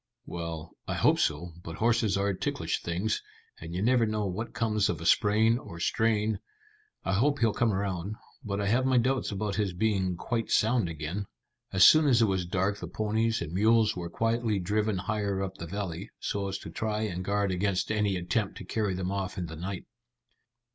"Well, I hope so, but horses are ticklish things, and you never know what comes of a sprain or strain. I hope he'll come round, but I have my doubts about his being quite sound again." As soon as it was dark the ponies and mules were quietly driven higher up the valley, so as to try and guard against any attempt to carry them off in the night.